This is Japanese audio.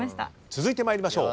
続いて参りましょう。